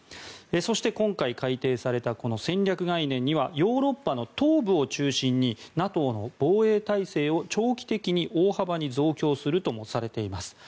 そして、今回改訂された戦略概念にはヨーロッパの東部を中心にＮＡＴＯの防衛体制を長期的に大幅に増強するともされています。